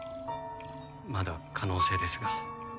まだ可能性ですが。